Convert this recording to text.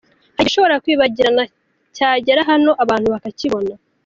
Hari igishobora kwibagirana cyagera hano abantu bakakibona.